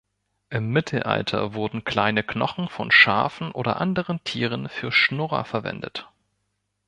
Im Mittelalter wurden kleine Knochen von Schafen oder anderen Tieren für Schnurrer verwendet.